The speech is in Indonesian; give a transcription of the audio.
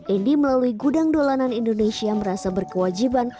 indi melalui gudang dolanan indonesia merasa berkewajiban